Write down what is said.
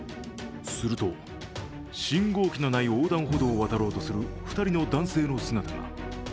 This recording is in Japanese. すると、信号機のない横断歩道を渡ろうとする２人の男性の姿が。